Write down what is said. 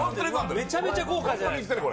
めちゃめちゃ豪華じゃないですか。